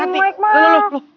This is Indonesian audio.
ya mike malah